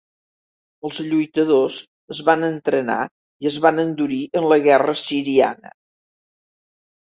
Els lluitadors es van entrenar i es van endurir en la guerra siriana.